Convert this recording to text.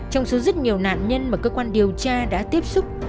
trong số rất nhiều nạn nhân mà cơ quan điều tra đã tiếp xúc